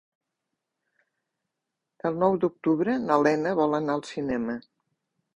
El nou d'octubre na Lena vol anar al cinema.